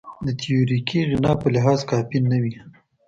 د تیوریکي غنا په لحاظ کافي نه وي.